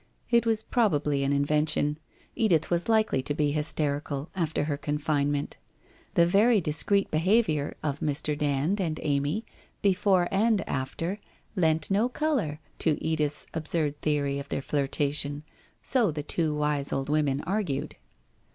It was probably an invention. Edith was likely to be hysterical after her confinement. The very discreet behaviour of Mr. Dand and Amy before and after lent no colour to Edith's absurd theory of their flirtation, so the two wise old women argued.